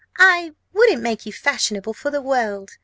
"I wouldn't make you fashionable for the world!"